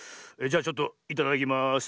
じゃちょっといただきます。